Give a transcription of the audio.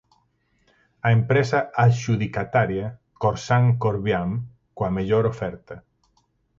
A empresa adxudicataria, Corsán Corviam, coa mellor oferta.